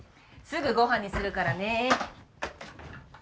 すぐごはんにするからね。